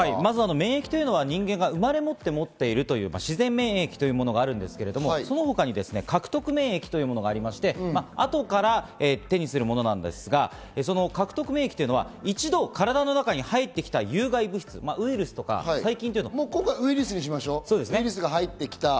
免疫というのは人間が生まれもって持っている自然免疫というものがあるんですけど、その他に獲得免疫というものがありまして、後から手にするものなんですが、その獲得免疫というのは一度体に入ってきた有害物質、ウイルスとか細菌。